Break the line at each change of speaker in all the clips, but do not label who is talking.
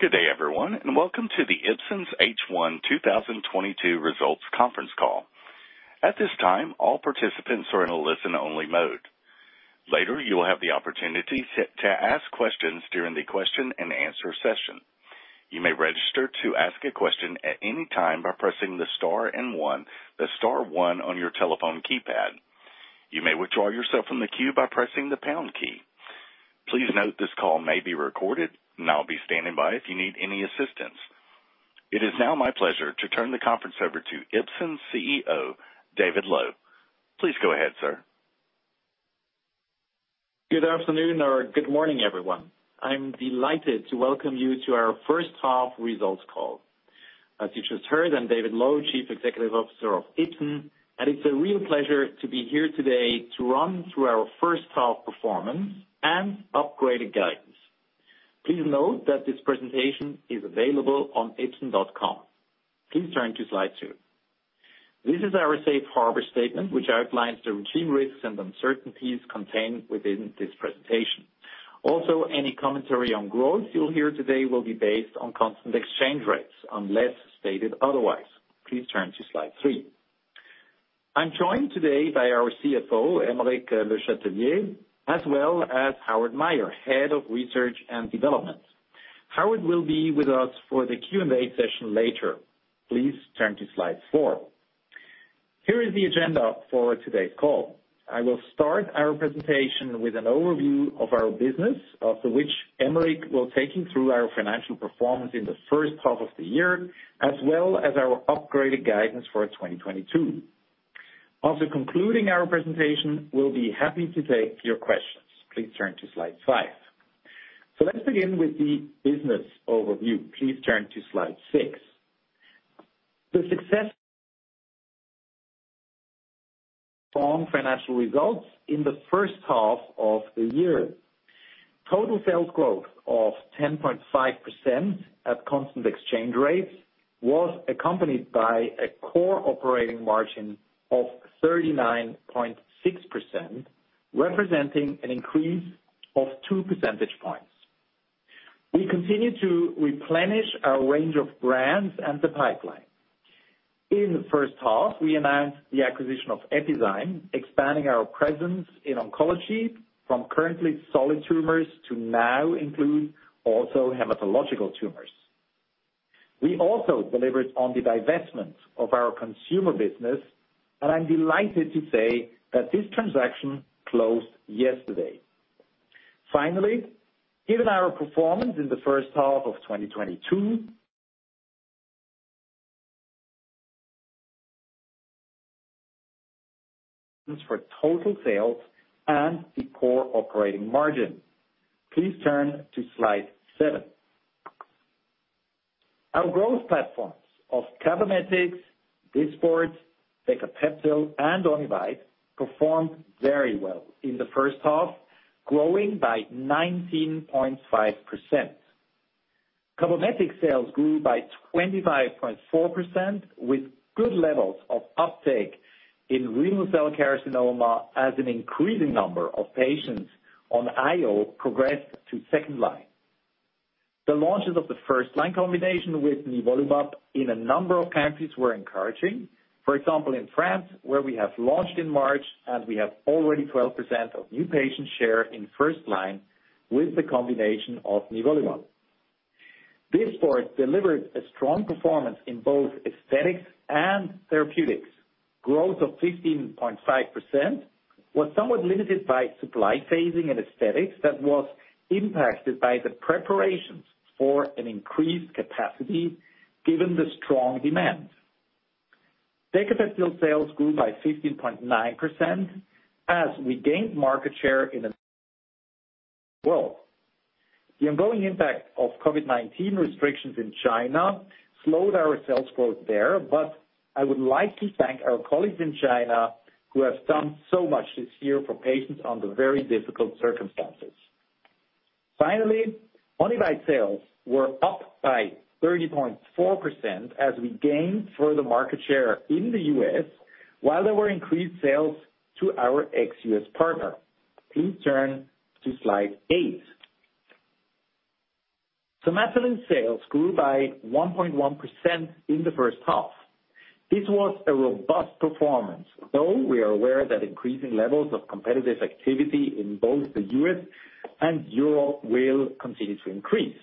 Good day, everyone, and welcome to the Ipsen's H1 2022 results conference call. At this time, all participants are in a listen-only mode. Later, you will have the opportunity to ask questions during the question-and-answer session. You may register to ask a question at any time by pressing the star one on your telephone keypad. You may withdraw yourself from the queue by pressing the pound key. Please note this call may be recorded, and I'll be standing by if you need any assistance. It is now my pleasure to turn the conference over to Ipsen's CEO, David Loew. Please go ahead, sir.
Good afternoon or good morning, everyone. I'm delighted to welcome you to our first half results call. As you just heard, I'm David Loew, Chief Executive Officer of Ipsen, and it's a real pleasure to be here today to run through our first half performance and upgraded guidance. Please note that this presentation is available on ipsen.com. Please turn to slide two. This is our safe harbor statement, which outlines the routine risks and uncertainties contained within this presentation. Also, any commentary on growth you'll hear today will be based on constant exchange rates, unless stated otherwise. Please turn to slide three. I'm joined today by our CFO, Aymeric Le Chatelier, as well as Howard Mayer, Head of Research and Development. Howard will be with us for the Q&A session later. Please turn to slide four. Here is the agenda for today's call. I will start our presentation with an overview of our business, after which Aymeric will take you through our financial performance in the first half of the year, as well as our upgraded guidance for 2022. After concluding our presentation, we'll be happy to take your questions. Please turn to slide five let's begin with the business overview please turn to slide six. Strong financial results in the first half of the year total sales growth of 10.5% at constant exchange rates was accompanied by a core operating margin of 39.6%, representing an increase of two percentage points. We continue to replenish our range of brands and the pipeline. In the first half, we announced the acquisition of Epizyme, expanding our presence in oncology from currently solid tumors to now include also hematological tumors. We also delivered on the divestment of our consumer business, and I'm delighted to say that this transaction closed yesterday. Finally, given our performance in the first half of 2022 for total sales and the core operating margin please turn to slide seven. Our growth platforms of Cabometyx, Dysport, Decapeptyl, and Onivyde performed very well in the first half, growing by 19.5%. Cabometyx sales grew by 25.4%, with good levels of uptake in renal cell carcinoma as an increasing number of patients on IO progressed to second line. The launches of the first-line combination with nivolumab in a number of countries were encouraging. For example, in France, where we have launched in March and we have already 12% of new patient share in first line with the combination of nivolumab. Dysport delivered a strong performance in both aesthetics and therapeutics. Growth of 15.5% was somewhat limited by supply phasing and aesthetics that was impacted by the preparations for an increased capacity given the strong demand. Decapeptyl sales grew by 15.9% as we gained market share. The ongoing impact of COVID-19 restrictions in China slowed our sales growth there, but I would like to thank our colleagues in China who have done so much this year for patients under very difficult circumstances. Finally, Onivyde sales were up by 30.4% as we gained further market share in the U.S. while there were increased sales to our ex-U.S. partner. Please turn to slide eight. Somatuline sales grew by 1.1% in the first half. This was a robust performance, though we are aware that increasing levels of competitive activity in both the U.S. and Europe will continue to increase.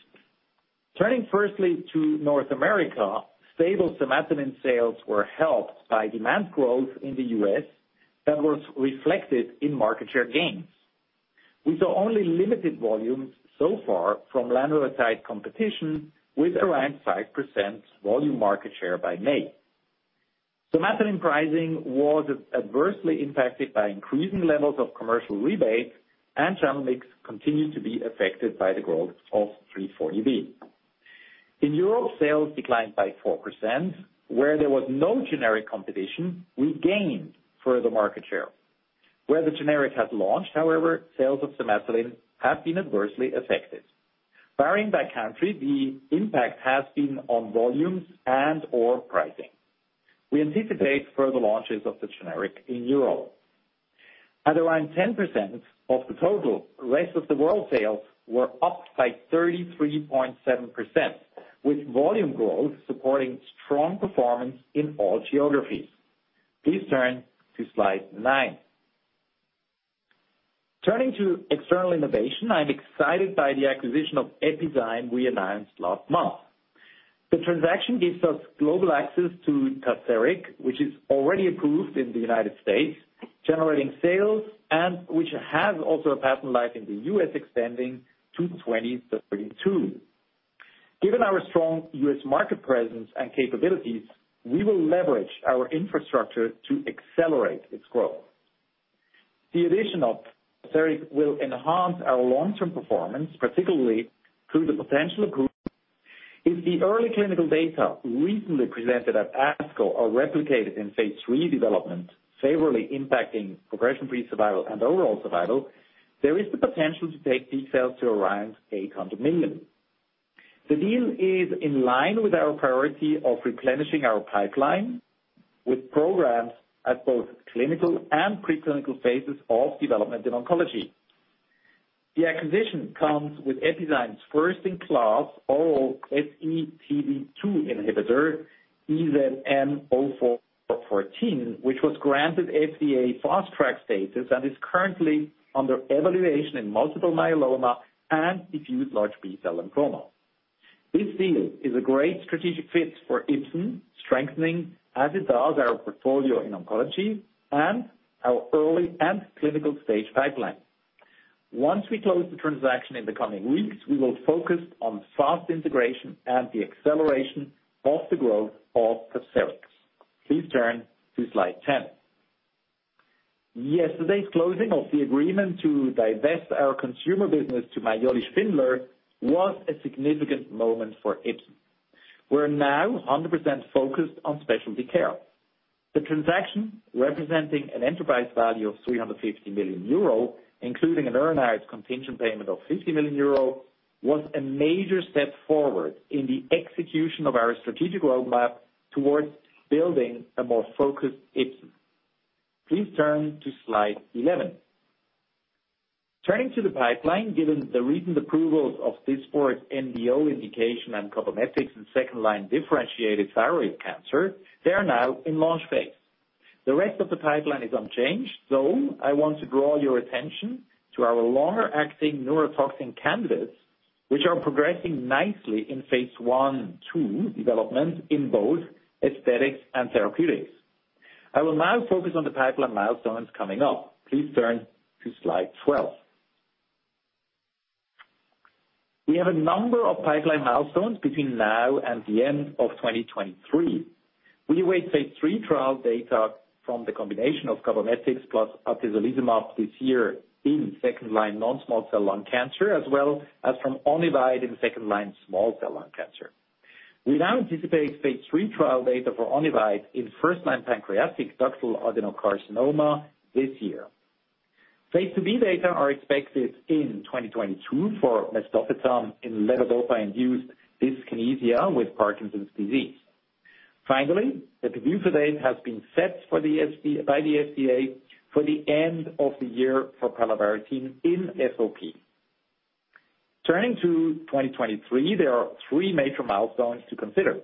Turning firstly to North America, stable Somatuline sales were helped by demand growth in the U.S. that was reflected in market share gains. We saw only limited volumes so far from lanreotide competition, with around 5% volume market share by May. Somatuline pricing was adversely impacted by increasing levels of commercial rebates, and channel mix continued to be affected by the growth of 340B. In Europe, sales declined by 4%. Where there was no generic competition we gained further market share. Where the generic has launched, however, sales of Somatuline have been adversely affected. Varying by country the impact has been on volumes and or pricing. We anticipate further launches of the generic in Europe. At around 10% of the total rest of the world sales were up by 33.7%, with volume growth supporting strong performance in all geographies. Please turn to slide nine. Turning to external innovation, I'm excited by the acquisition of Epizyme we announced last month. The transaction gives us global access to Tazverik, which is already approved in the United States, generating sales and which has also a patent life in the U.S. extending to 2032. Given our strong U.S. market presence and capabilities, we will leverage our infrastructure to accelerate its growth. The addition of Tazverik will enhance our long-term performance, particularly through the potential approval. If the early clinical data recently presented at ASCO are replicated in phase III development, favorably impacting progression-free survival and overall survival, there is the potential to take Tazverik sales to around 800,000,000 million. The deal is in line with our priority of replenishing our pipeline with programs at both clinical and pre-clinical phases of development in oncology. The acquisition comes with Epizyme's first-in-class oral SETD2 inhibitor, EZM-0414, which was granted FDA Fast Track status and is currently under evaluation in multiple myeloma and diffuse large B-cell [lymphoma]. This deal is a great strategic fit for Ipsen, strengthening as it does our portfolio in oncology and our early and clinical stage pipeline. Once we close the transaction in the coming weeks, we will focus on fast integration and the acceleration of the growth of Tazverik. Please turn to slide 10. Yesterday's closing of the agreement to divest our consumer business to Mayoly Spindler was a significant moment for Ipsen. We're now 100% focused on specialty care. The transaction, representing an enterprise value of 350 million euro, including an earn-out contingent payment of 50 million euro, was a major step forward in the execution of our strategic roadmap towards building a more focused Ipsen. Please turn to slide 11. Turning to the pipeline, given the recent approvals of Dysport's NDO indication and Cabometyx in second-line differentiated thyroid cancer, they are now in launch phase. The rest of the pipeline is unchanged, though I want to draw your attention to our longer-acting neurotoxin candidates which are progressing nicely in phase I and phase II development in both aesthetics and therapeutics. I will now focus on the pipeline milestones coming up. Please turn to slide 12. We have a number of pipeline milestones between now and the end of 2023. We await phase III trial data from the combination of Cabometyx plus atezolizumab this year in second-line non-small cell lung cancer, as well as from Onivyde in second-line small cell lung cancer. We now anticipate phase III trial data for Onivyde in first-line pancreatic ductal adenocarcinoma this year. phase IIb data are expected in 2022 for mesdopetam in levodopa-induced dyskinesia with Parkinson's disease. Finally, tHe review date has been set for the by the FDA for the end of the year for palovarotene in FOP. Turning to 2023, there are three major milestones to consider.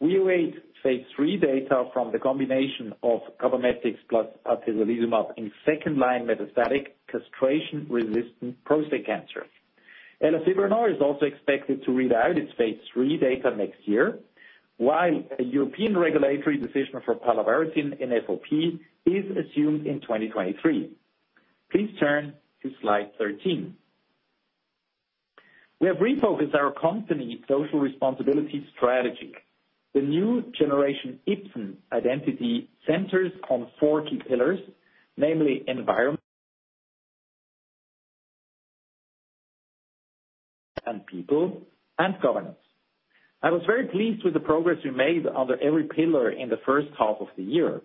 We await phase III data from the combination of Cabometyx plus atezolizumab in second-line metastatic castration-resistant prostate cancer. Elafibranor is also expected to read out its phase III data next year, while a European regulatory decision for palovarotene in FOP is assumed in 2023. Please turn to slide 13. We have refocused our company social responsibility strategy. The new generation Ipsen identity centers on four key pillars, namely environment, and people, and governance. I was very pleased with the progress we made under every pillar in the first half of the year.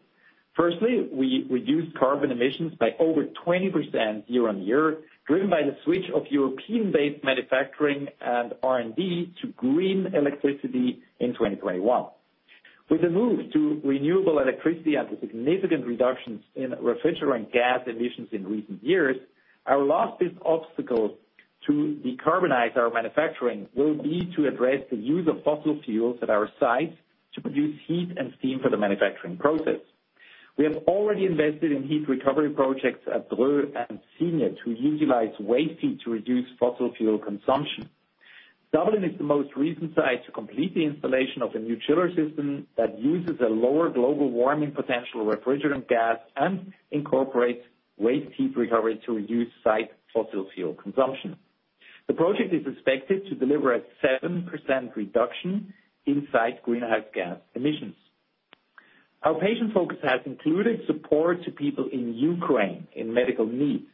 Firstly, we reduced carbon emissions by over 20% year-over-year, driven by the switch of European-based manufacturing and R&D to green electricity in 2021. With the move to renewable electricity and the significant reductions in refrigerant gas emissions in recent years, our last big obstacle to decarbonize our manufacturing will be to address the use of fossil fuels at our sites to produce heat and steam for the manufacturing process. We have already invested in heat recovery projects at Dreux and Signes, who utilize waste heat to reduce fossil fuel consumption. Dublin is the most recent site to complete the installation of a new chiller system that uses a lower global warming potential refrigerant gas and incorporates waste heat recovery to reduce site fossil fuel consumption. The project is expected to deliver a 7% reduction in site greenhouse gas emissions. Our patient focus has included support to people in Ukraine in medical need.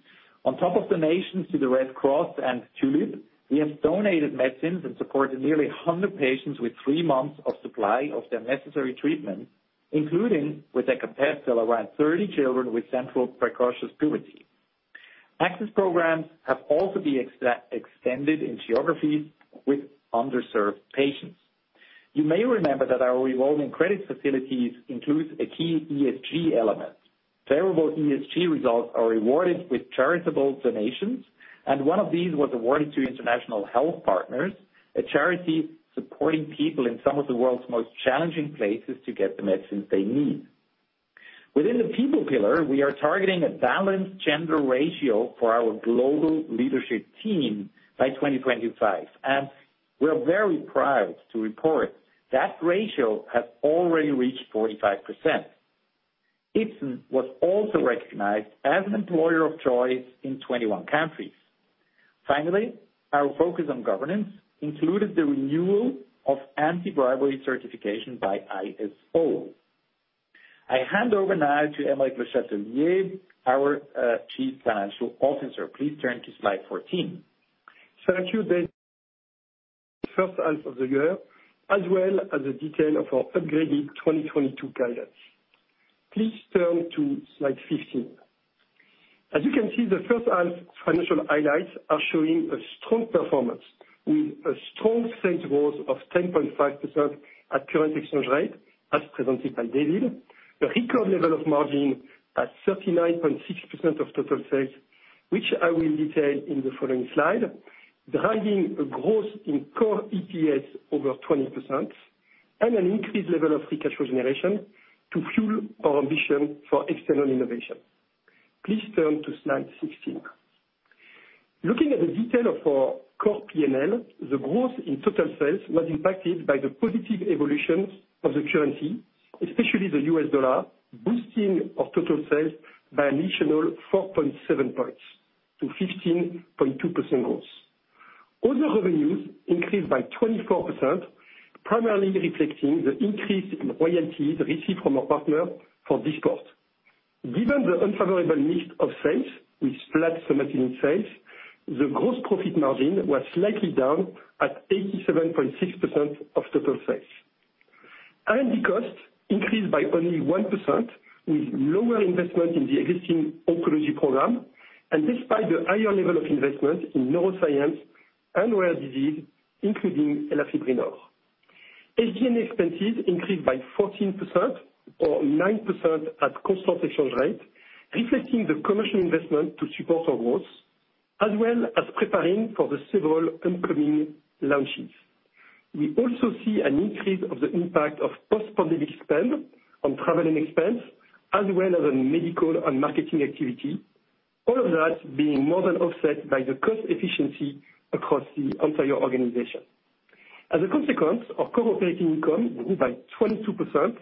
On top of donations to the Red Cross and Tulipe, we have donated medicines and supported nearly 100 patients with three months of supply of their necessary treatments, including with Decapeptyl around 30 children with central precocious puberty. Access programs have also been extended in geographies with underserved patients. You may remember that our revolving credit facilities includes a key ESG element. Favorable ESG results are rewarded with charitable donations, and one of these was awarded to International Health Partners, a charity supporting people in some of the world's most challenging places to get the medicines they need. Within the people pillar, we are targeting a balanced gender ratio for our global leadership team by 2025, and we are very proud to report that ratio has already reached 45%. Ipsen was also recognized as an employer of choice in 21 countries. Finally, our focus on governance included the renewal of anti-bribery certification by ISO. I hand over now to Aymeric Le Chatelier, our Chief Financial Officer. Please turn to slide 14.
Thank you, David. First half of the year, as well as the detail of our upgraded 2022 guidance. Please turn to slide 15. As you can see, the first half financial highlights are showing a strong performance with a strong sales growth of 10.5% at current exchange rate, as presented by David. The record level of margin at 39.6% of total sales, which I will detail in the following slide, driving a growth in core EPS over 20% and an increased level of free cash generation to fuel our ambition for external innovation. Please turn to slide 16. Looking at the detail of our core P&L the growth in total sales was impacted by the positive evolutions of the currency, especially the U.S. dollar boosting our total sales by an additional 4.7 points to 15.2% growth. Other revenues increased by 24% primarily reflecting the increase in royalties received from our partner for this quarter. Given the unfavorable mix of sales with flat Somatuline sales the gross profit margin was slightly down at 87.6% of total sales. R&D costs increased by only 1% with lower investment in the existing oncology program, and despite the higher level of investment in neuroscience and rare disease, including elafibranor. SG&A expenses increased by 14% or 9% at constant exchange rate reflecting the commercial investment to support our growth, as well as preparing for the several upcoming launches. We also see an increase of the impact of post-pandemic spend on travel and expense, as well as on medical and marketing activity, all of that being more than offset by the cost efficiency across the entire organization. As a consequence, our core operating income grew by 22%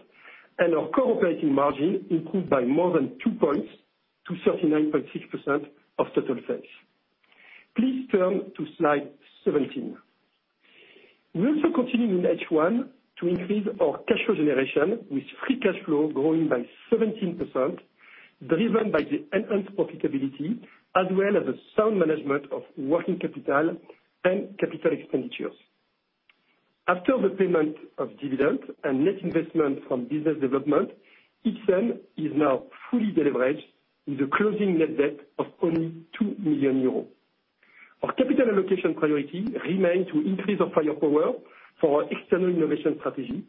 and our core operating margin improved by more than two points to 39.6% of total sales. Please turn to slide 17. We also continued in H1 to increase our cash flow generation with free cash flow growing by 17%, driven by the enhanced profitability as well as the sound management of working capital and capital expenditures. After the payment of dividends and net investment from business development Ipsen is now fully deleveraged with a closing net debt of only 2 million euros. Our capital allocation priority remains to increase our firepower for our external innovation strategy.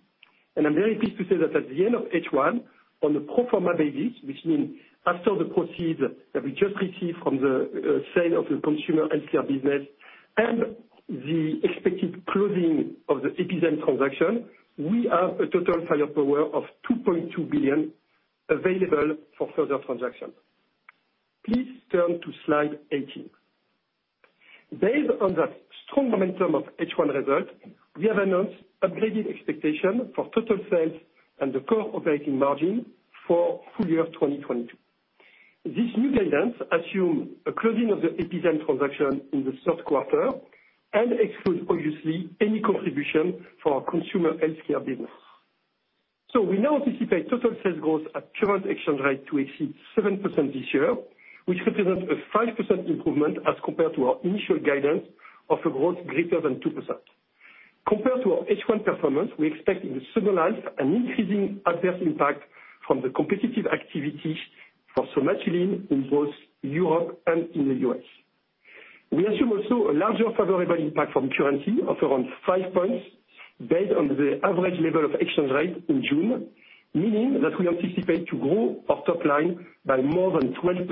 I'm very pleased to say that at the end of H1, on a pro forma basis, which means after the proceeds that we just received from the sale of the consumer healthcare business and the expected closing of the Epizyme transaction we have a total firepower of 2.2 billion available for further transactions. Please turn to slide 18. Based on the strong momentum of H1 results, we have announced upgraded expectation for total sales and the core operating margin for full year 2022. This new guidance assumes a closing of the Epizyme transaction in the third quarter and excludes, obviously, any contribution for our consumer healthcare business. We now anticipate total sales growth at current exchange rate to exceed 7% this year, which represents a 5% improvement as compared to our initial guidance of a growth greater than 2%. Compared to our H1 performance we expect in the second half an increasing adverse impact from the competitive activity for Somatuline in both Europe and in the U.S. We assume also a larger favorable impact from currency of around five points based on the average level of exchange rate in June, meaning that we anticipate to grow our top line by more than 12%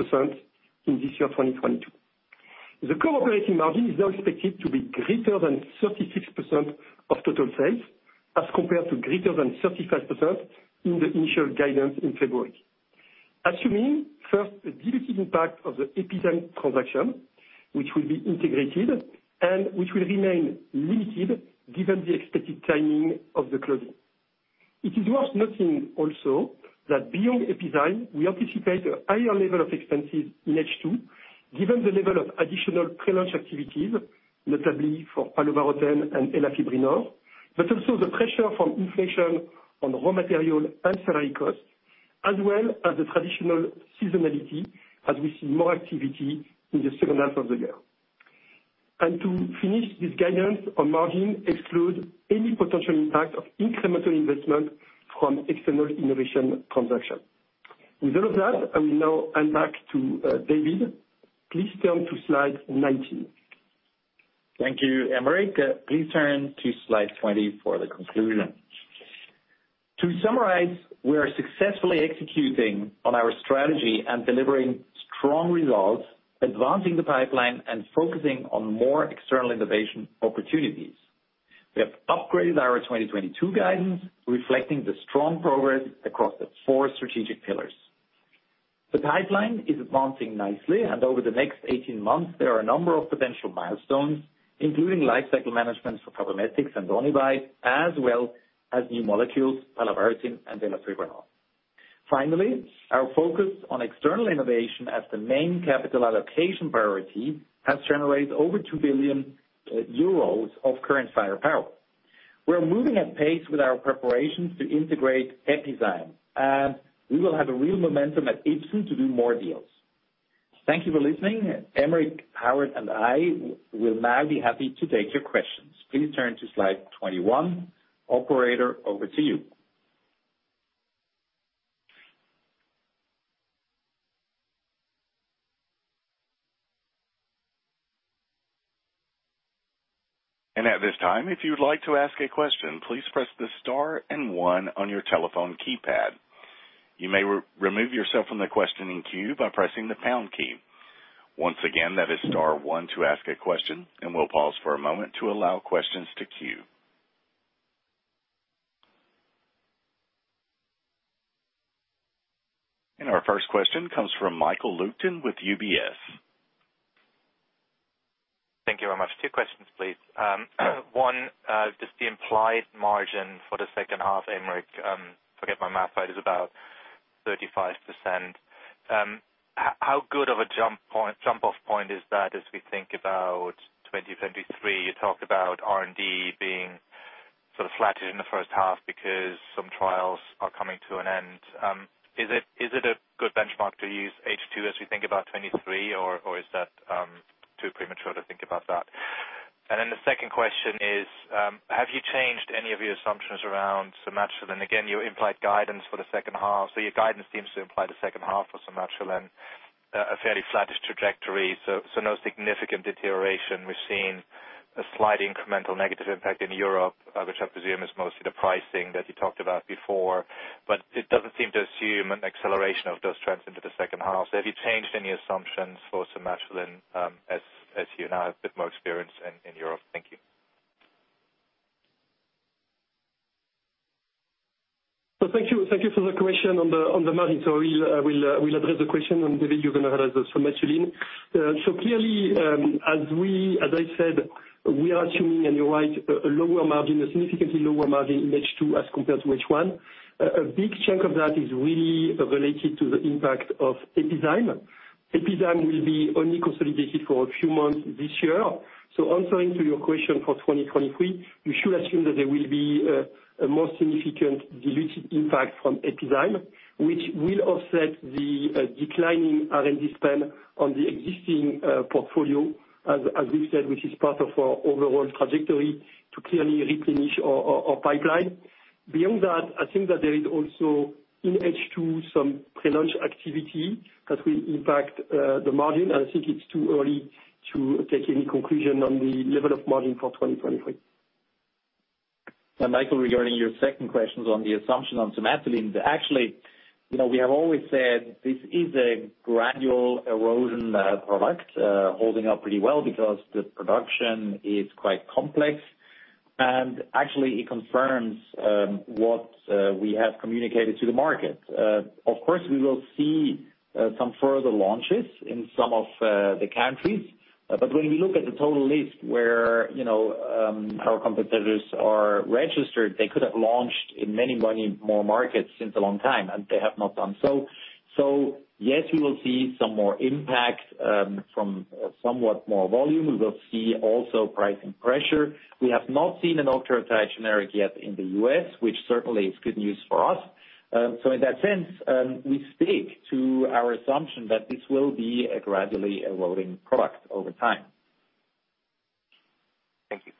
in this year 2022. The core operating margin is now expected to be greater than 36% of total sales as compared to greater than 35% in the initial guidance in February. Assuming first the dilutive impact of the Epizyme transaction, which will be integrated and which will remain limited given the expected timing of the closing. It is worth noting also that beyond Epizyme, we anticipate a higher level of expenses in H2, given the level of additional pre-launch activities, notably for palovarotene and elafibranor, but also the pressure from inflation on raw material and salary costs, as well as the traditional seasonality as we see more activity in the second half of the year. To finish this guidance on margins excludes any potential impact of incremental investment from external innovation transactions. With all of that, I will now hand back to David. Please turn to slide 19.
Thank you, Aymeric. Please turn to slide 20 for the conclusion. To summarize, we are successfully executing on our strategy and delivering strong results, advancing the pipeline, and focusing on more external innovation opportunities. We have upgraded our 2022 guidance, reflecting the strong progress across the four strategic pillars. The pipeline is advancing nicely, and over the next 18 months, there are a number of potential milestones, including lifecycle management for Cabometyx and Onivyde, as well as new molecules, palovarotene and elafibranor. Finally, our focus on external innovation as the main capital allocation priority has generated over 2 billion euros of current firepower. We're moving at pace with our preparations to integrate Epizyme, and we will have a real momentum at H2 to do more deals. Thank you for listening. Aymeric, Howard, and I will now be happy to take your questions. Please turn to slide 21. Operator, over to you.
At this time, if you'd like to ask a question, please press the star and one on your telephone keypad. You may remove yourself from the questioning queue by pressing the pound key. Once again, that is star one to ask a question, and we'll pause for a moment to allow questions to queue. Our first question comes from Michael Leuchten with UBS.
Thank you very much. Two questions, please. One, just the implied margin for the second half, Aymeric, forget my math, but it is about 35%. How good of a jump-off point is that as we think about 2023? You talked about R&D being sort of flat in the first half because some trials are coming to an end. Is it a good benchmark to use H2 as we think about 2023, or is that too premature to think about that? The second question is, have you changed any of your assumptions around Somatuline? Again, your implied guidance for the second half. Your guidance seems to imply the second half for Somatuline, a fairly flattish trajectory, so no significant deterioration. We've seen a slight incremental negative impact in Europe, which I presume is mostly the pricing that you talked about before, but it doesn't seem to assume an acceleration of those trends into the second half. Have you changed any assumptions for Somatuline, as you now have a bit more experience in Europe? Thank you.
Thank you. Thank you for the question on the margin. We'll address the question, and David, you're gonna address the Somatuline. Clearly, as I said, we are assuming, and you're right a lower margin a significantly lower margin in H2 as compared to H1. A big chunk of that is really related to the impact of Epizyme. Epizyme will be only consolidated for a few months this year. Answering to your question for 2023, you should assume that there will be a more significant dilutive impact from Epizyme, which will offset the declining R&D spend on the existing portfolio, as we've said, which is part of our overall trajectory to clearly replenish our pipeline. Beyond that, I think that there is also, in H2, some pre-launch activity that will impact the margin. I think it's too early to take any conclusion on the level of margin for 2023.
Michael, regarding your second questions on the assumption on Somatuline, actually, you know, we have always said this is a gradual erosion product holding up pretty well because the production is quite complex. Actually it confirms what we have communicated to the market. Of course, we will see some further launches in some of the countries. When we look at the total list where, you know, our competitors are registered they could have launched in many many more markets since a long time, and they have not done so yes, we will see some more impact from somewhat more volume we will see also pricing pressure. We have not seen an authorized generic yet in the U.S. which certainly is good news for us. In that sense we stick to our assumption that this will be a gradually eroding product over time.
Thank you.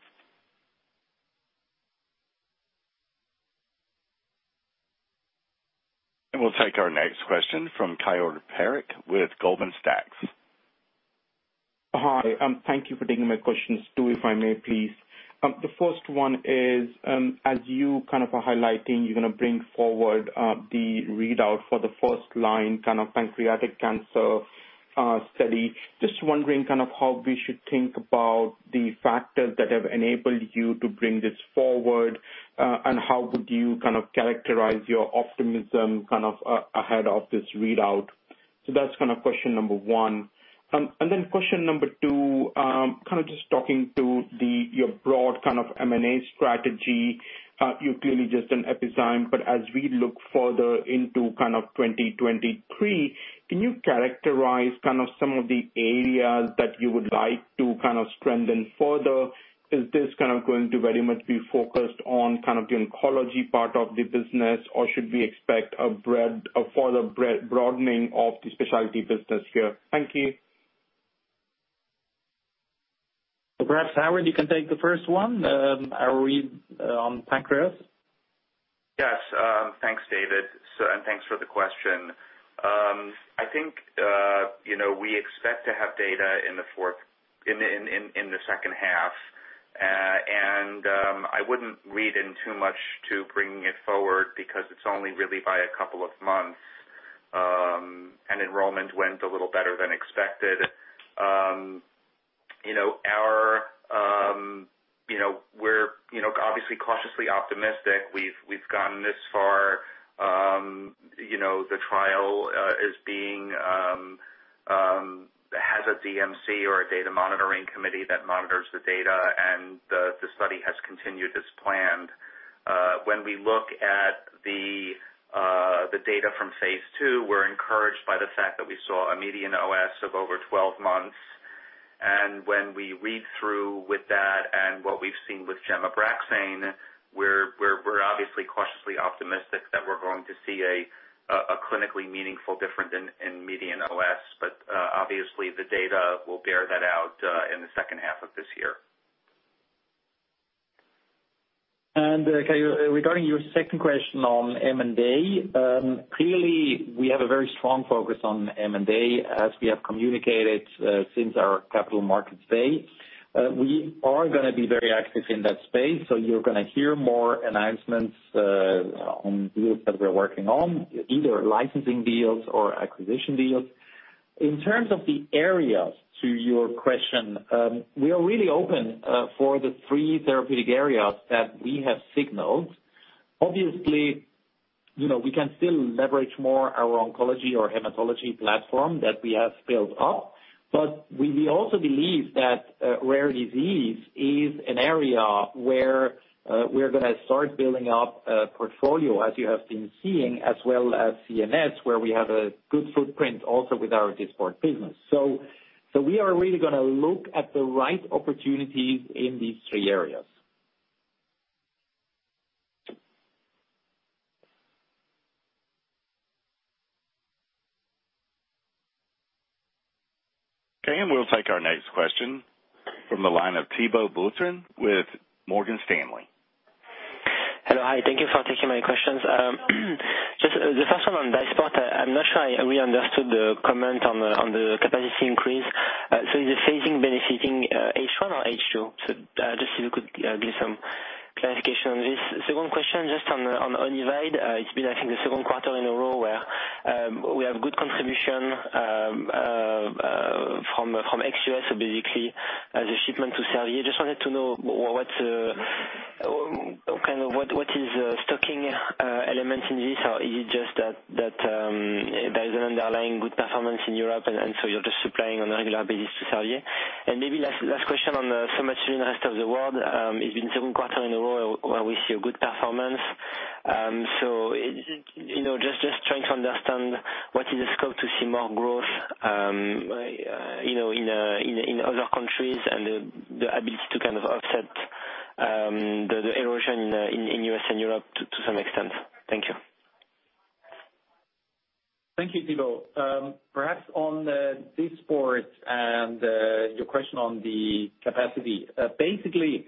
We'll take our next question from Keyur Parekh with Goldman Sachs.
Hi, thank you for taking my questions, two if I may please. The first one is, as you kind of are highlighting you're gonna bring forward the readout for the first-line kind of pancreatic cancer study. Just wondering kind of how we should think about the factors that have enabled you to bring this forward, and how would you kind of characterize your optimism kind of ahead of this readout? That's kind of question number one. Question number two, kind of just talking to your broad kind of M&A strategy. You clearly just did Epizyme, but as we look further into kind of 2023, can you characterize kind of some of the areas that you would like to kind of strengthen further? Is this kind of going to very much be focused on kind of the oncology part of the business, or should we expect a further broadening of the specialty business here? Thank you.
Perhaps, Howard, you can take the first one. I'll read on pancreas.
Yes. Thanks, David. Thanks for the question. I think you know we expect to have data in the second half. I wouldn't read too much into bringing it forward because it's only really by a couple of months and enrollment went a little better than expected. You know we're obviously cautiously optimistic we've gotten this far. You know the trial has a DMC or a data monitoring committee that monitors the data and the study has continued as planned when we look at the data from phase II, we're encouraged by the fact that we saw a median OS of over 12 months. When we read through with that and what we've seen with [gemcitabine/Abraxane], we're obviously cautiously optimistic that we're going to see a clinically meaningful difference in median OS. Obviously the data will bear that out in the second half of this year.
Regarding your second question on M&A clearly we have a very strong focus on M&A. As we have communicated since our capital markets day, we are gonna be very active in that space, so you're gonna hear more announcements on deals that we're working on either licensing deals or acquisition deals. In terms of the areas to your question we are really open for the three therapeutic areas that we have signaled. Obviously, you know, we can still leverage more our oncology or hematology platform that we have built up, but we also believe that rare disease is an area where we're gonna start building up a portfolio, as you have been seeing, as well as CNS, where we have a good footprint also with our Dysport business. We are really gonna look at the right opportunities in these three areas.
Okay, we'll take our next question from the line of Thibault Boutherin with Morgan Stanley.
Hello. Hi, thank you for taking my questions. Just the first one on Dysport. I'm not sure I really understood the comment on the capacity increase. Is the phasing benefiting H1 or H2? Just if you could give some clarification on this. Second question, just on Onivyde. It's been, I think, the second quarter in a row where we have good contribution from ex US, so basically as a shipment to Servier. Just wanted to know what's the kind of what is stocking elements in this? Or is it just that there is an underlying good performance in Europe, and so you're just supplying on a regular basis to Servier? Maybe last question on Somatuline, rest of the world. It's been second quarter in a row where we see a good performance. You know, just trying to understand what is the scope to see more growth, you know, in other countries and the ability to kind of offset the erosion in U.S. and Europe to some extent. Thank you.
Thank you, Thibault. Perhaps on the Dysport and your question on the capacity basically,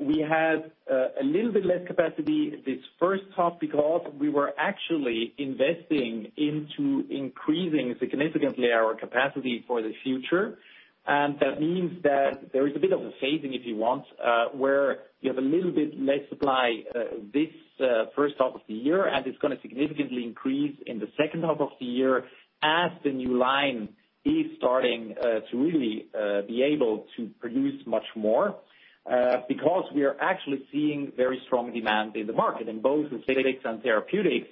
we had a little bit less capacity this first half because we were actually investing into increasing significantly our capacity for the future. That means that there is a bit of a phasing if you want where you have a little bit less supply this first half of the year. It's gonna significantly increase in the second half of the year as the new line is starting to really be able to produce much more because we are actually seeing very strong demand in the market in both aesthetics and therapeutics.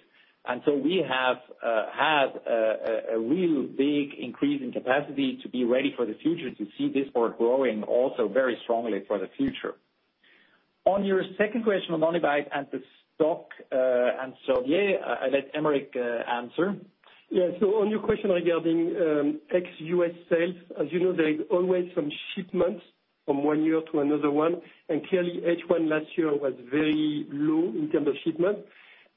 We have a real big increase in capacity to be ready for the future to see Dysport growing also very strongly for the future. On your second question on Onivyde and the stock, and Servier, I let Aymeric answer.
Yeah. On your question regarding ex-US sales, as you know, there is always some shipments from one year to another one, and clearly H1 last year was very low in terms of shipment.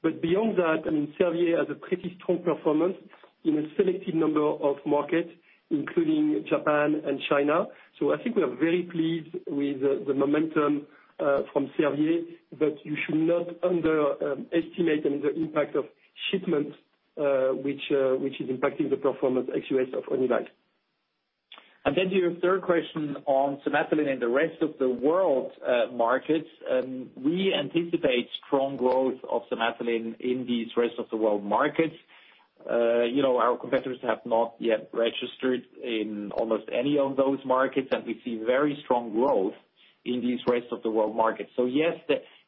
Beyond that, I mean, Servier has a pretty strong performance in a selected number of markets, including Japan and China. I think we are very pleased with the momentum from Servier. You should not underestimate the impact of shipments, which is impacting the performance ex-US of Onivyde.
To your third question on Somatuline and the rest of the world markets, we anticipate strong growth of Somatuline in these rest of the world markets. You know, our competitors have not yet registered in almost any of those markets, and we see very strong growth in these rest of the world markets. Yes.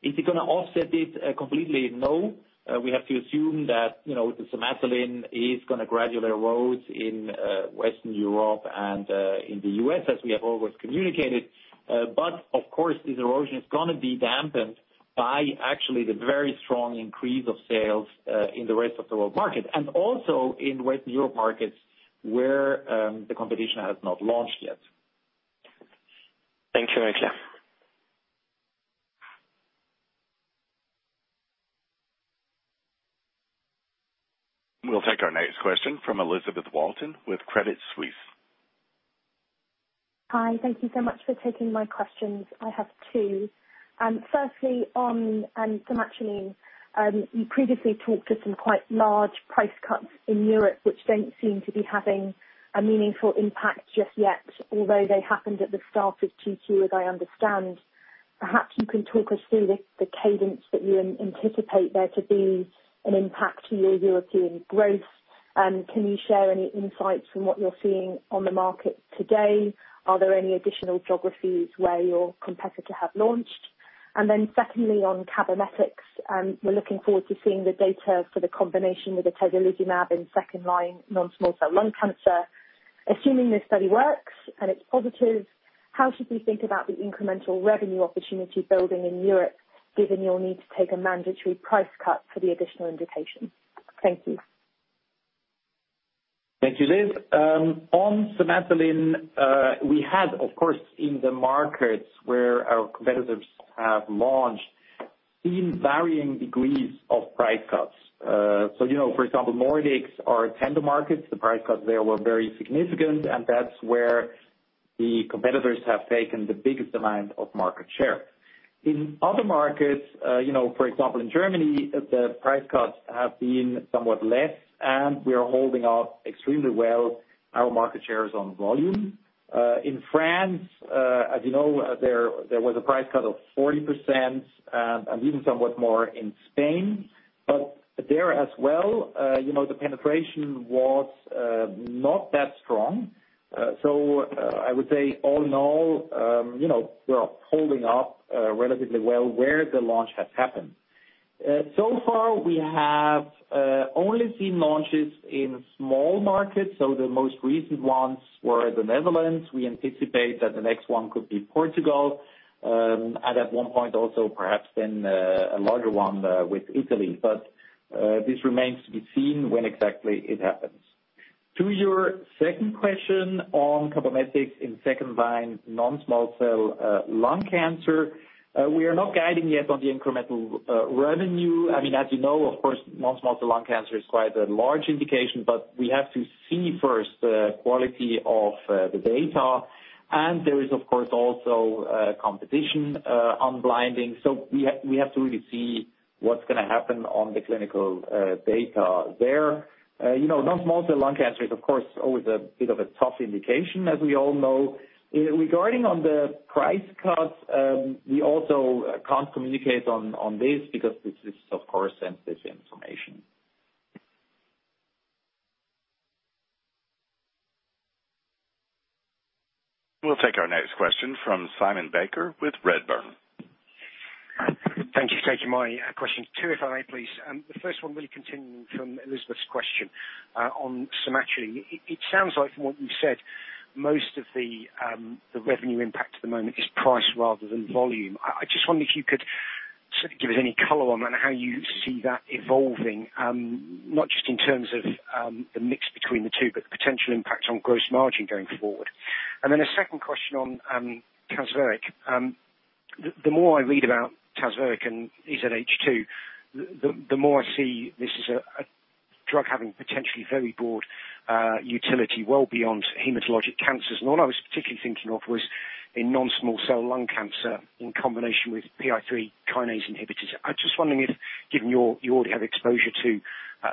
Is it gonna offset it completely? No we have to assume that, you know, the Somatuline is gonna gradually erode in Western Europe and in the U.S., as we have always communicated. Of course, this erosion is gonna be dampened by actually the very strong increase of sales in the rest of the world market and also in Western Europe markets where the competition has not launched yet.
Thank you.
We'll take our next question from Elizabeth Walton with Credit Suisse.
Hi. Thank you so much for taking my questions i have two. Firstly on Somatuline you previously talked to some quite large price cuts in Europe which don't seem to be having a meaningful impact just yet, although they happened at the start of Q2 as I understand. Perhaps you can talk us through the cadence that you anticipate there to be an impact to your European growth. Can you share any insights from what you're seeing on the market today? Are there any additional geographies where your competitor have launched? Then secondly, on Cabometyx, we're looking forward to seeing the data for the combination with atezolizumab in second line non-small cell lung cancer. Assuming this study works and it's positive, how should we think about the incremental revenue opportunity building in Europe, given your need to take a mandatory price cut for the additional indication? Thank you.
Thank you, Elizabeth. On Somatuline we had, of course, in the markets where our competitors have launched seen varying degrees of price cuts. You know, for example, Nordics are tender markets. The price cuts there were very significant and that's where the competitors have taken the biggest amount of market share. In other markets, you know, for example, in Germany the price cuts have been somewhat less and we are holding up extremely well our market shares on volume. In France, as you know, there was a price cut of 40%, and even somewhat more in Spain. There as well, you know, the penetration was not that strong i would say all in all, you know, we are holding up relatively well where the launch has happened. So far, we have only seen launches in small markets, so the most recent ones were the Netherlands. We anticipate that the next one could be Portugal, and at one point also perhaps then a larger one with Italy. This remains to be seen when exactly it happens. To your second question on Cabometyx in second-line non-small cell lung cancer, we are not guiding yet on the incremental revenue. I mean, as you know, of course, non-small cell lung cancer is quite a large indication, but we have to see first the quality of the data. There is, of course, also competition on blinding. We have to really see what's gonna happen on the clinical data there. You know, non-small cell lung cancer is, of course, always a bit of a tough indication, as we all know. Regarding on the price cuts, we also can't communicate on this because this is, of course, sensitive information.
We'll take our next question from Simon Baker with Redburn.
Thank you for taking my question. Two, if I may, please. The first one really continuing from Elizabeth's question on Somatuline. It sounds like from what you said, most of the revenue impact at the moment is price rather than volume. I just wonder if you could sort of give us any color on how you see that evolving, not just in terms of the mix between the two, but the potential impact on gross margin going forward. A second question on Tazverik. The more I read about Tazverik and EZH2, the more I see this is a drug having potentially very broad utility well beyond hematologic cancers. All I was particularly thinking of was in non-small cell lung cancer in combination with PI3K inhibitors. I'm just wondering if, given that you already have exposure to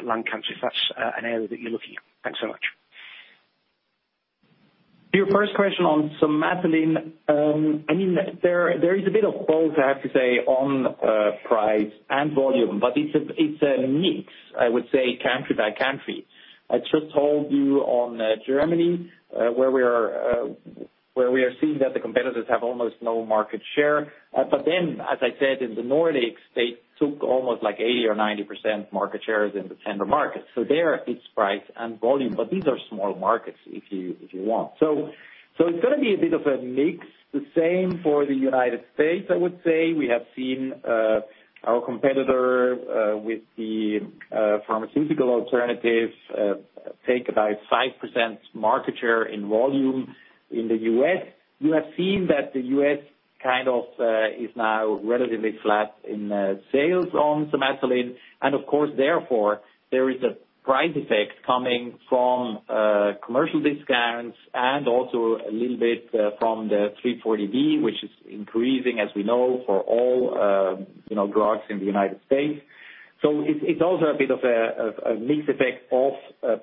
lung cancer, if that's an area that you're looking at. Thanks so much.
To your first question on Somatuline., I mean, there is a bit of both, I have to say, on price and volume, but it's a mix, I would say, country by country. I just told you on Germany, where we are seeing that the competitors have almost no market share. But then, as I said, in the Nordics, they took almost like 80 or 90% market shares in the tender market. There it's price and volume. But these are small markets if you want. It's gonna be a bit of a mix. The same for the United States, I would say. We have seen our competitor with the pharmaceutical alternative take about 5% market share in volume in the U.S. You have seen that the U.S. kind of is now relatively flat in sales on Somatuline and of course, therefore, there is a price effect coming from commercial discounts and also a little bit from the 340B, which is increasing, as we know, for all, you know, drugs in the United States it's also a bit of a mix effect of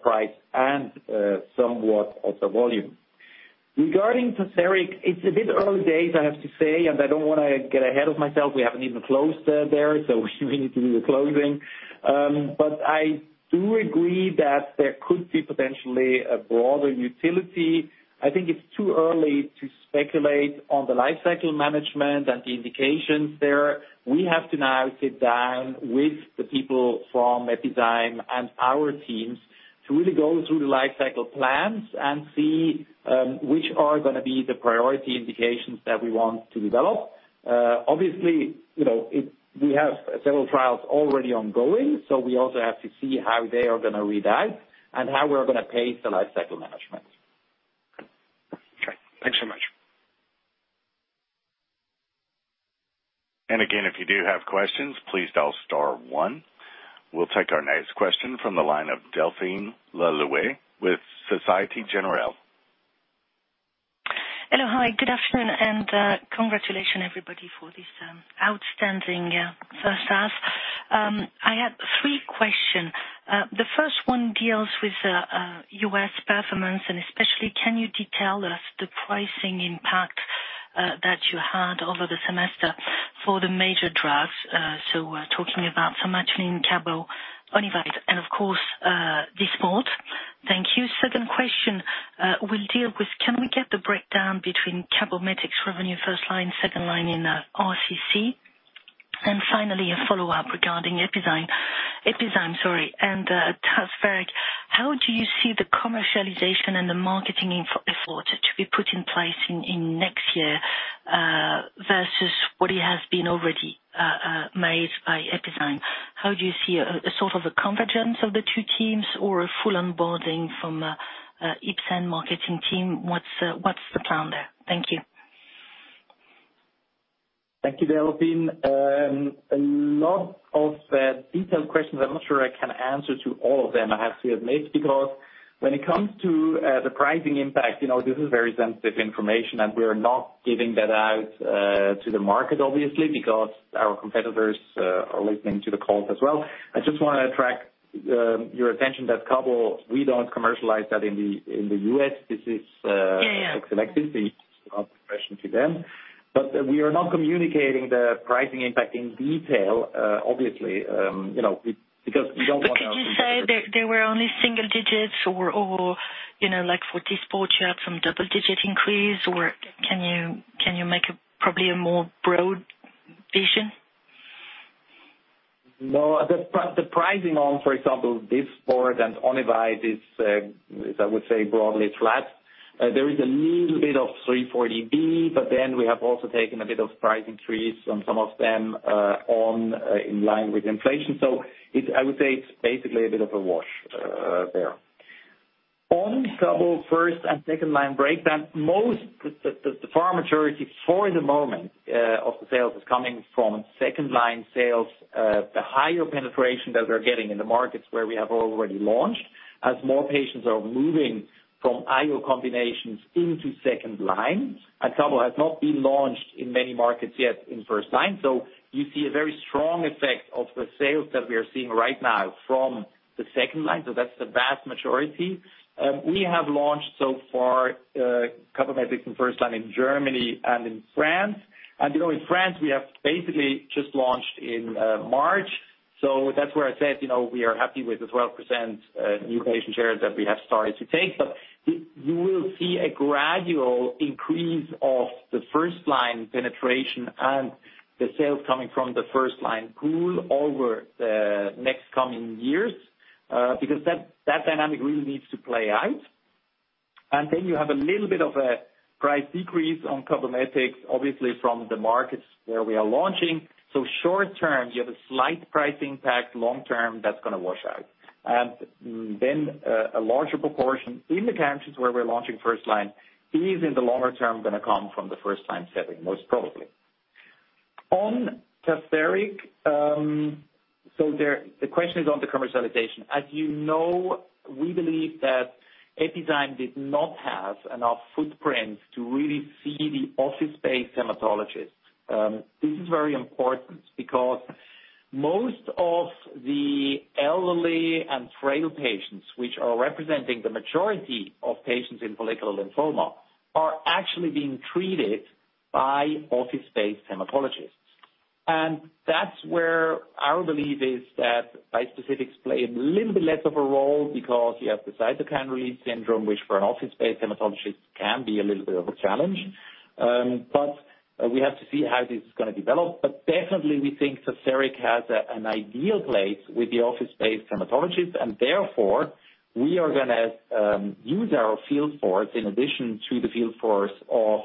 price and somewhat of the volume. Regarding Tazverik, it's a bit early days, I have to say, and I don't wanna get ahead of myself. We haven't even closed there, so we need to do the closing. But I do agree that there could be potentially a broader utility. I think it's too early to speculate on the lifecycle management and the indications there. We have to now sit down with the people from Epizyme and our teams to really go through the lifecycle plans and see which are gonna be the priority indications that we want to develop. Obviously, you know, we have several trials already ongoing, so we also have to see how they are gonna read out and how we're gonna pace the lifecycle management.
Again, if you do have questions, please dial star one. We'll take our next question from the line of Delphine Le Louët with Société Générale.
Hello. Hi, good afternoon and congratulations everybody for this outstanding first half. I had three questions. The first one deals with U.S. performance, and especially can you detail us the pricing impact that you had over the semester for the major drugs? So we're talking about Somatuline, Cabometyx, Onivyde, and of course Dysport. Thank you. Second question will deal with can we get the breakdown between Cabometyx revenue first line second line in RCC? And finally, a follow-up regarding Epizyme, sorry, and Tazverik. How do you see the commercialization and the marketing effort to be put in place in next year versus what it has been already made by Epizyme? How do you see a sort of convergence of the two teams or a full onboarding from Ipsen marketing team? What's the plan there? Thank you.
Thank you, Delphine. A lot of detailed questions. I'm not sure I can answer to all of them, I have to admit, because when it comes to the pricing impact, you know, this is very sensitive information, and we're not giving that out to the market, obviously, because our competitors are listening to the call as well. I just wanna attract your attention that Cabometyx, we don't commercialize that in the U.S. This is
Yeah, yeah.
question to them. We are not communicating the pricing impact in detail, obviously, you know, because we don't want our-
Can you say they were only single digits or, you know, like for Dysport you have some double-digit increase, or can you make probably a more broad vision?
No. The pricing on, for example, Dysport and Onivyde is, I would say, broadly flat. There is a little bit of 340B, but then we have also taken a bit of price increase on some of them, in line with inflation. It's, I would say, basically a bit of a wash, there. On Cabometyx first and second line breakdown, the vast majority for the moment of the sales is coming from second line sales. The higher penetration that we're getting in the markets where we have already launched, as more patients are moving from IO combinations into second line, and Cabometyx has not been launched in many markets yet in first line. You see a very strong effect of the sales that we are seeing right now from the second line. That's the vast majority. We have launched so far Cabometyx in first line in Germany and in France. In France, we have basically just launched in March. That's where I said, you know, we are happy with the 12% new patient shares that we have started to take. You will see a gradual increase of the first line penetration and the sales coming from the first line pool over the next coming years, because that dynamic really needs to play out. Then you have a little bit of a price decrease on Cabometyx, obviously from the markets where we are launching. Short-term, you have a slight pricing impact, long-term, that's gonna wash out. A larger proportion in the countries where we're launching first line is in the longer term gonna come from the first time setting, most probably. On Tazverik, so there, the question is on the commercialization. As you know, we believe that Epizyme did not have enough footprint to really see the office-based hematologist. This is very important because most of the elderly and frail patients, which are representing the majority of patients in follicular lymphoma, are actually being treated by office-based hematologists. That's where our belief is that bispecifics play a little bit less of a role because you have the cytokine release syndrome, which for an office-based hematologist can be a little bit of a challenge. We have to see how this is gonna develop. Definitely we think Tazverik has an ideal place with the office-based hematologist, and therefore we are gonna use our field force in addition to the field force of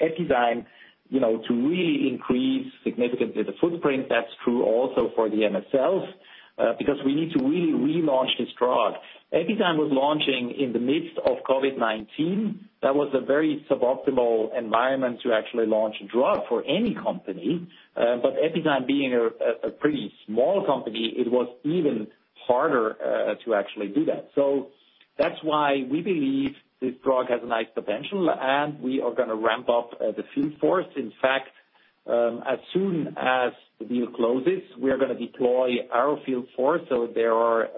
Epizyme, you know, to really increase significantly the footprint. That's true also for the MSLs, because we need to really relaunch this drug. Epizyme was launching in the midst of COVID-19. That was a very suboptimal environment to actually launch a drug for any company. Epizyme being a pretty small company, it was even harder to actually do that. That's why we believe this drug has a nice potential, and we are gonna ramp up the field force. In fact, as soon as the deal closes, we are gonna deploy our field force. They are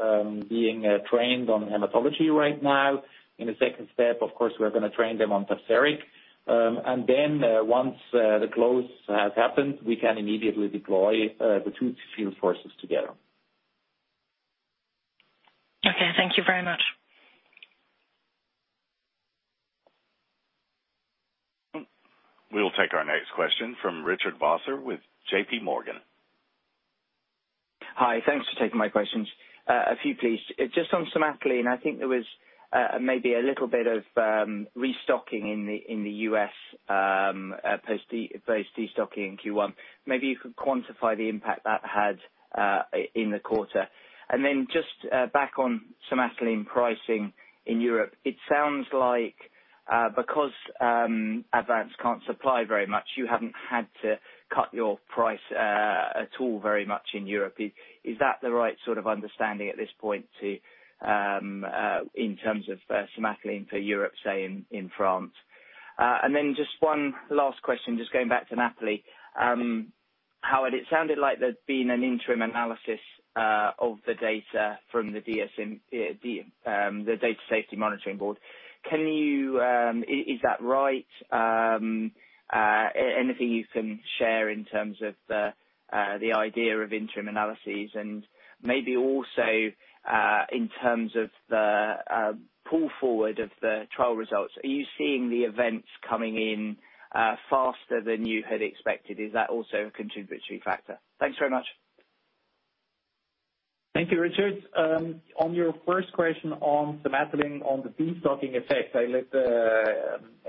being trained on hematology right now. In a second step, of course, we're gonna train them on Tazverik. Once the close has happened, we can immediately deploy the two field forces together.
Okay. Thank you very much.
We will take our next question from Richard Vosser with J.P. Morgan.
Hi. Thanks for taking my questions. A few please just on Somatuline, I think there was maybe a little bit of restocking in the U.S. post destocking in Q1. Maybe you could quantify the impact that had in the quarter. Then just back on Somatuline pricing in Europe it sounds like because Advanz can't supply very much, you haven't had to cut your price at all very much in Europe. Is that the right sort of understanding at this point in terms of Somatuline for Europe, say, in France? Then just one last question, just going back to NAPOLI. Howard, it sounded like there'd been an interim analysis of the data from the DSMB, the Data Safety Monitoring Board. Can you Is that right? Anything you can share in terms of the idea of interim analyses? And maybe also in terms of the pull forward of the trial results, are you seeing the events coming in faster than you had expected? Is that also a contributory factor? Thanks very much.
Thank you, Richard. On your first question on Somatuline, on the destocking effect, I'll let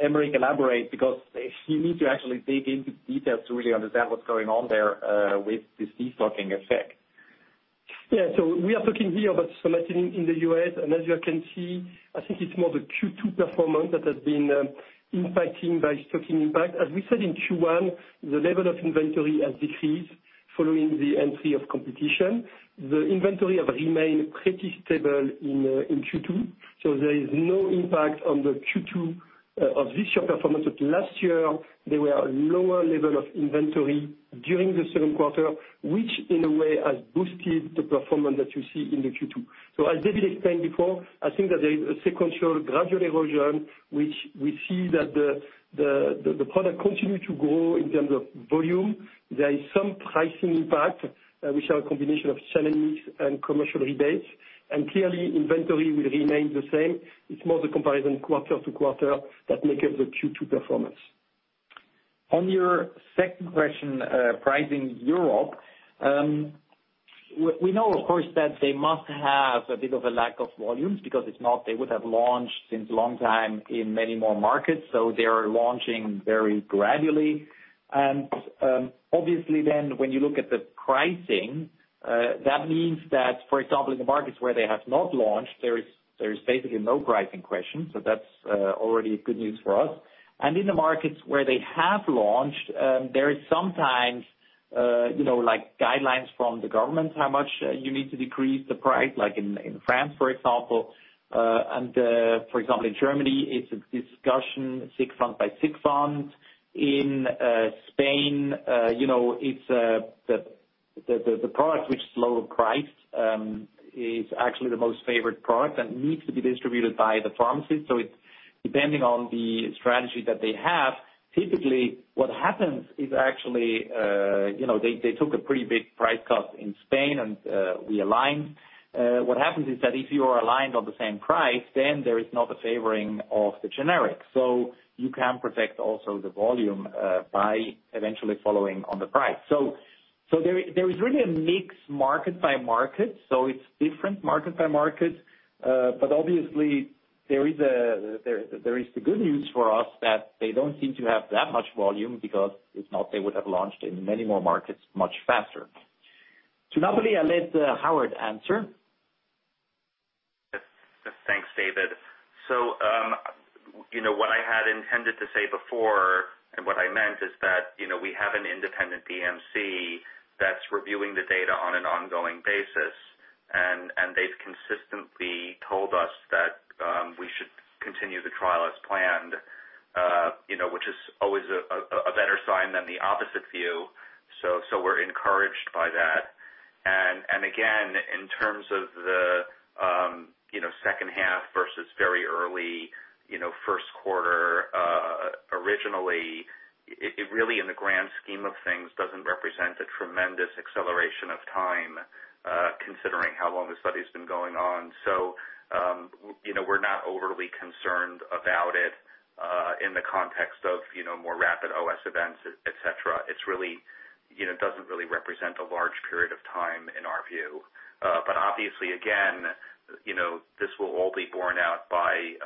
Aymeric elaborate because you need to actually dig into details to really understand what's going on there with this destocking effect.
Yeah. We are talking here about Somatuline in the U.S., and as you can see, I think it's more the Q2 performance that has been impacting by stocking impact. As we said in Q1, the level of inventory has decreased following the entry of competition. The inventory have remained pretty stable in Q2, so there is no impact on the Q2 of this year performance. Last year there were a lower level of inventory during the second quarter, which in a way has boosted the performance that you see in the Q2. As David explained before, I think that there is a sequential gradual erosion, which we see that the product continue to grow in terms of volume. There is some pricing impact, which are a combination of challenges and commercial rebates, and clearly inventory will remain the same. It's more the comparison quarter to quarter that make up the Q2 performance.
On your second question, pricing Europe. We know of course that they must have a bit of a lack of volumes because if not, they would have launched a long time ago in many more markets, so they are launching very gradually. Obviously then when you look at the pricing, that means that, for example, in the markets where they have not launched, there is basically no pricing question, so that's already good news for us. In the markets where they have launched, there is sometimes, you know, like guidelines from the government, how much you need to decrease the price, like in France, for example. For example, in Germany it's a discussion sickness fund by sickness fund. In Spain, you know, it's the product which is lower priced, is actually the most favored product and needs to be distributed by the pharmacist. It's depending on the strategy that they have. Typically what happens is actually, you know, they took a pretty big price cut in Spain and we aligned. What happens is that if you are aligned on the same price, then there is not a favoring of the generic. You can protect also the volume by eventually following on the price. There is really a mixed market by market, so it's different market by market. Obviously there is the good news for us that they don't seem to have that much volume because if not, they would have launched in many more markets much faster. To NAPOLI, I let Howard answer.
Yes. Thanks, David. You know what I had intended to say before, and what I meant is that, you know, we have an independent DMC that's reviewing the data on an ongoing basis, and they've consistently told us that, we should continue the trial as planned, you know, which is always a better sign than the opposite view. We're encouraged by that. Again, in terms of the, you know, second half versus very early, you know, first quarter, originally it really in the grand scheme of things doesn't represent a tremendous acceleration of time, considering how long the study's been going on. You know, we're not overly concerned about it, in the context of, you know, more rapid OS events, et cetera. It's really, you know, doesn't really represent a large period of time in our view. Obviously, again, you know, this will all be borne out by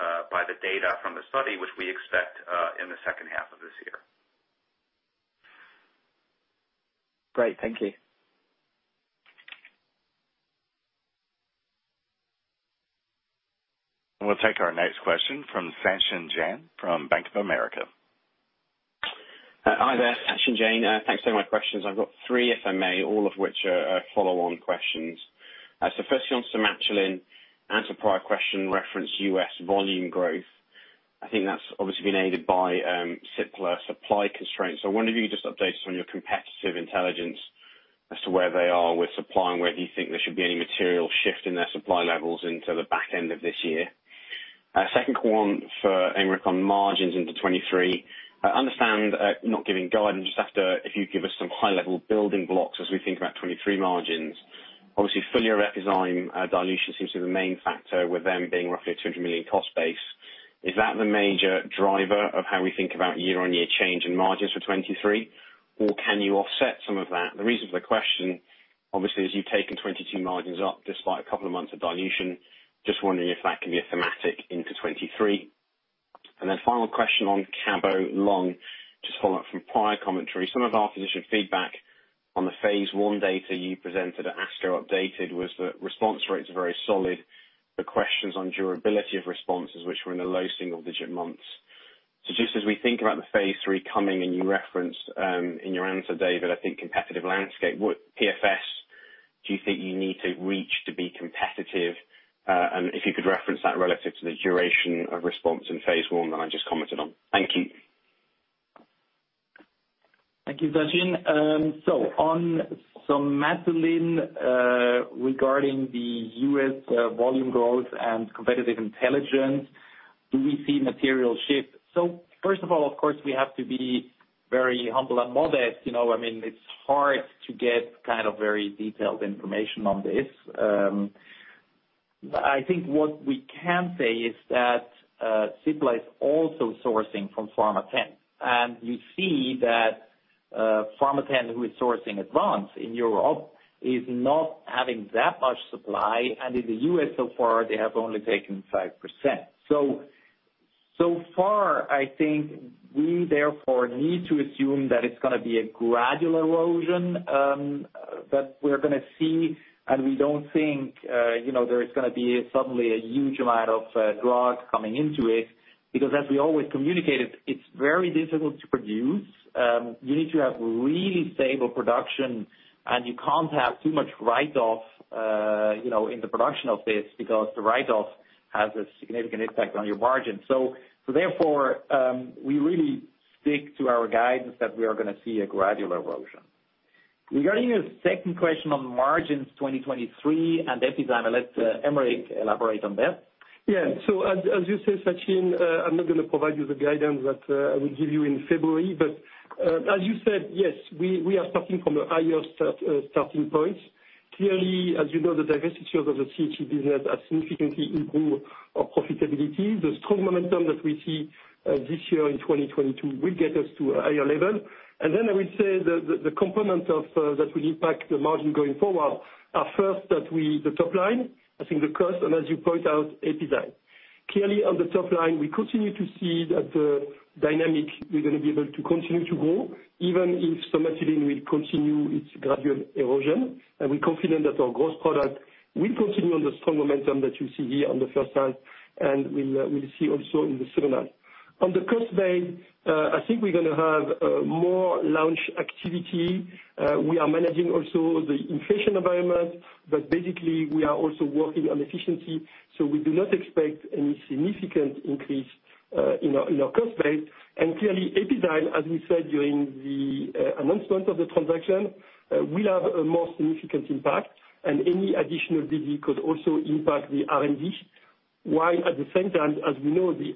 the data from the study which we expect in the second half of this year.
Great. Thank you.
We'll take our next question from Sachin Jain from Bank of America.
Hi there, Sachin Jain. Thanks. My questions, I've got three, if I may, all of which are follow-on questions. First on Somatuline, answer prior question referenced U.S. volume growth. I think that's obviously been aided by Cipla supply constraints. I wonder if you could just update us on your competitive intelligence as to where they are with supply and whether you think there should be any material shift in their supply levels into the back end of this year. Second one for Aymeric on margins into 2023. I understand not giving guidance just after, if you give us some high-level building blocks as we think about 2023 margins. Obviously full-year Epizyme dilution seems to be the main factor with them being roughly a 200 million cost base. Is that the major driver of how we think about year-on-year change in margins for 2023? Or can you offset some of that? The reason for the question obviously is you've taken 2022 margins up despite a couple of months of dilution. Just wondering if that can be a thematic into 2023. Final question on Cabometyx in lung. Just follow up from prior commentary. Some of our physician feedback on the phase I data you presented at the ASCO update was that response rates are very solid, but questions on durability of responses which were in the low single digit months. Just as we think about the phase III coming, and you referenced, in your answer, David, I think competitive landscape, what PFS do you think you need to reach to be competitive? If you could reference that relative to the duration of response in phase one that I just commented on. Thank you.
Thank you, Sachin. On Somatuline, regarding the U.S. volume growth and competitive intelligence, do we see material shift? First of all, of course, we have to be very humble and modest, you know. I mean, it's hard to get kind of very detailed information on this. I think what we can say is that Cipla is also sourcing from Pharmathen. You see that Pharmathen, who is sourcing Advanz in Europe, is not having that much supply, and in the U.S. so far, they have only taken 5%. So far, I think we therefore need to assume that it's gonna be a gradual erosion that we're gonna see, and we don't think, you know, there is gonna be suddenly a huge amount of drug coming into it. As we always communicated, it's very difficult to produce. You need to have really stable production, and you can't have too much write-off, you know, in the production of this because the write-off has a significant impact on your margin. Therefore, we really stick to our guidance that we are gonna see a gradual erosion. Regarding your second question on margins 2023 and Epizyme, I'll let Aymeric elaborate on that.
Yeah. As you say, Sachin, I'm not gonna provide you the guidance that I will give you in February. As you said, yes, we are starting from a higher starting point. Clearly, as you know, the diversity of the [CHC business] has significantly improved our profitability. The strong momentum that we see this year in 2022 will get us to a higher level. I will say the component of that will impact the margin going forward are first the top line, I think the cost, and as you point out, Epizyme. Clearly on the top line, we continue to see that the dynamics, we're gonna be able to continue to grow, even if Somatuline will continue its gradual erosion. We're confident that our growth product will continue on the strong momentum that you see here on the first half, and we'll see also in the second half. On the cost base, I think we're gonna have more launch activity. We are managing also the inflation environment, but basically we are also working on efficiency. We do not expect any significant increase in our cost base. Clearly, Epizyme, as we said during the announcement of the transaction, will have a more significant impact, and any additional BD could also impact the R&D. While at the same time, as we know, the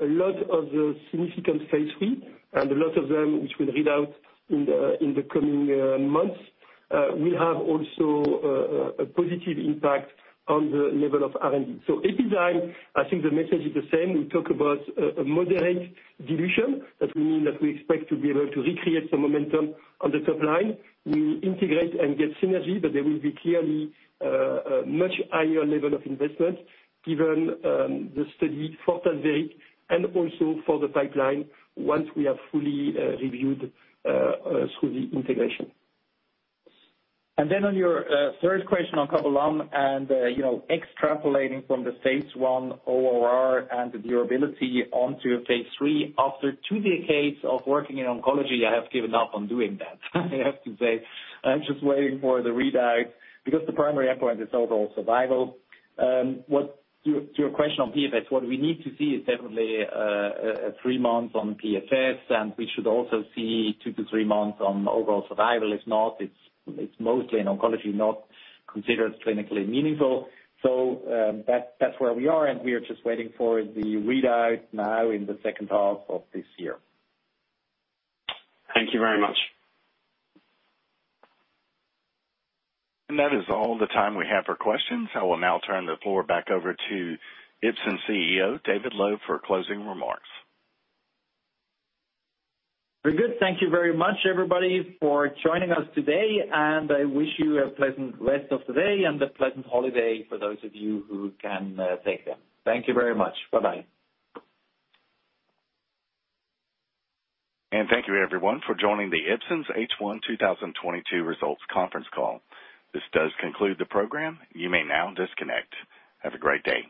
end of a lot of the significant phase III and a lot of them which will read out in the coming months will have also a positive impact on the level of R&D. Epizyme, I think the message is the same. We talk about a moderate dilution. That we mean that we expect to be able to recreate some momentum on the top line. We integrate and get synergy, but there will be clearly a much higher level of investment given the study for Tazverik and also for the pipeline once we have fully reviewed through the integration.
On your third question on Cabometyx and, you know, extrapolating from the phase I ORR and durability onto phase III after two decades of working in oncology, I have given up on doing that. I have to say, I'm just waiting for the readout because the primary endpoint is overall survival. To your question on PFS, what we need to see is definitely three months on PFS, and we should also see two to three months on overall survival. If not, it's mostly in oncology not considered clinically meaningful. That's where we are, and we are just waiting for the readout now in the second half of this year.
Thank you very much.
That is all the time we have for questions. I will now turn the floor back over to Ipsen CEO, David Loew, for closing remarks.
Very good. Thank you very much, everybody, for joining us today, and I wish you a pleasant rest of the day and a pleasant holiday for those of you who can, take them. Thank you very much. Bye-bye.
Thank you everyone for joining the Ipsen's H1 2022 results conference call. This does conclude the program. You may now disconnect. Have a great day.